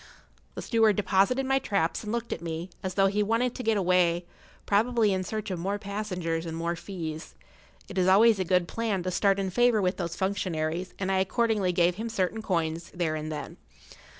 The steward deposited my traps and looked at me, as though he wanted to get away—probably in search of more passengers and more fees. It is always a good[Pg 15] plan to start in favour with those functionaries, and I accordingly gave him certain coins there and then.